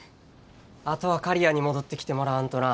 あとは刈谷に戻ってきてもらわんとな。